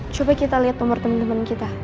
coba kita liat nomor temen temen kita